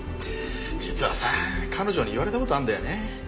実はさ彼女に言われた事あるんだよね。